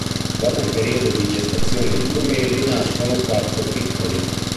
Dopo un periodo di gestazione di due mesi, nascono quattro piccoli.